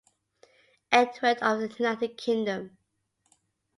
Edward of the United Kingdom.